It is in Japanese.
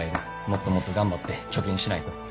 もっともっと頑張って貯金しないと。